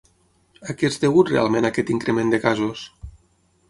A què és degut realment aquest increment de casos?